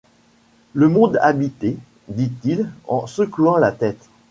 Le monde habité ! dit-il en secouant la tête.